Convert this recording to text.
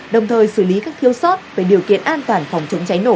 đồng thời xử lý các thiếu sót về điều kiện an toàn phòng chống cháy nổ